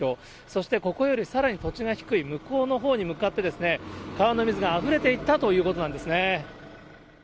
そしてここよりさらに土地が低い向こうのほうに向かって、川の水があふれていったということなんですね。